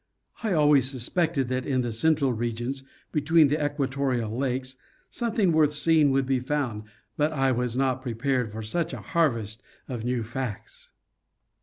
I always suspected that in the central regions, between the equatorial lakes, something worth seeing would be found, but I was not prepared for such a harvest of new facts."